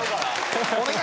お願い！